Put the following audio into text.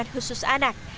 dengan khusus anak